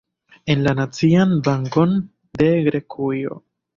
En la Nacian Bankon de Grekujo.